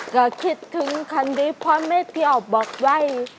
ก็คิดถึงคันดีพอไม่ได้ออกบอกไว้